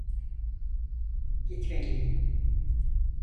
Gitmeliyim.